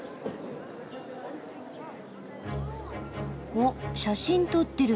おっ写真撮ってる。